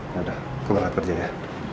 yaudah keluarga kerja ya